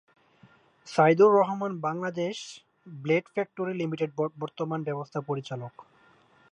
Saidur Rahman Bangladesh blade factory লিমিটেডের বর্তমান ব্যবস্থাপনা পরিচালক।